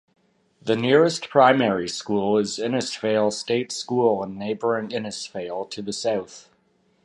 The nearest primary school is Innisfail State School in neighbouring Innisfail to the south.